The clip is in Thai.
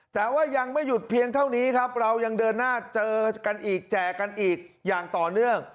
แต่ว่ายังไม่หยุดเพียงเท่านี้ครับเรายังเดินหน้าเจอกันอีกแจกกันอีกอย่างต่อเนื่อง